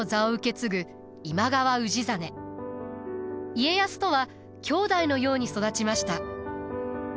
家康とは兄弟のように育ちました。